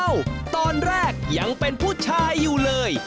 ตอนแรกยังเป็นผู้ชายอยู่เลย